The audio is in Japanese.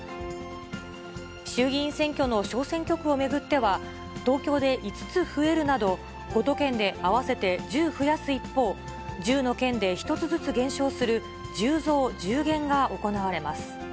衆議院選挙の小選挙区を巡っては、東京で５つ増えるなど、５都県で合わせて１０増やす一方、１０の県で１つずつ減少する１０増１０減が行われます。